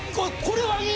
これは。